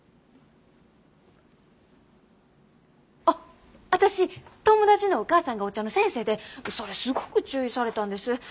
あっ私友達のお母さんがお茶の先生でそれすごく注意されたんです。